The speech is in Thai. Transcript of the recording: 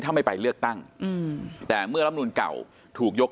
ท่ามึงไปเรือกตั้งอืมแต่เมื่อลักษณ์ลำนูนเก่าถูกยก